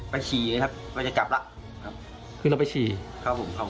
ไปฉีเลยครับเราก็จะกลับและ